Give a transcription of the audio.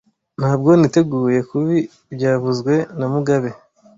Ntabwo niteguye kubi byavuzwe na mugabe